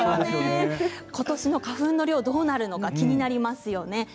ことしの花粉の量どうなるのか気になりますよね。